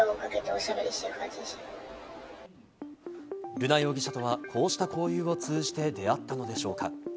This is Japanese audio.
瑠奈容疑者とは、こうした交友を通じて出会ったのでしょうか？